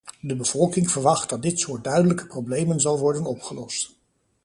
De bevolking verwacht dat dit soort duidelijke problemen zal worden opgelost.